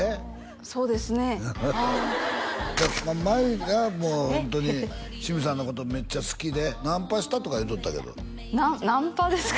そうですね茉優がもうホントにシムさんのことめっちゃ好きで「ナンパした」とか言うとったけどナンパですか？